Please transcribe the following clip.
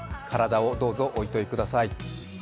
体をどうぞおいといください。